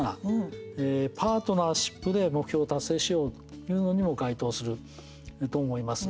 パートナーシップで目標を達成しようというのにも該当すると思います。